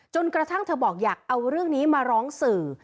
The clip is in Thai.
จนกระทั่งเธอบอกอยากเอาเรื่องนี้มาร้องสื่อ